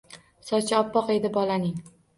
Sochi oppoq edi bolaning.